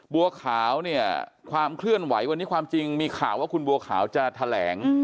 บัวขาวเนี่ยความเคลื่อนไหววันนี้ความจริงมีข่าวว่าคุณบัวขาวจะแถลง